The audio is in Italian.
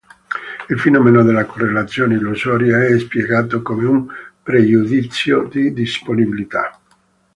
Il fenomeno della correlazione illusoria è spiegato come un pregiudizio di disponibilità.